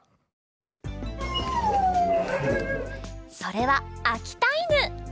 それはあきたいぬ。